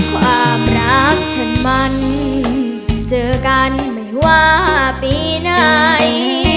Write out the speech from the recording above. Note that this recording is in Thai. ความรักฉันมันเจอกันไม่ว่าปีไหน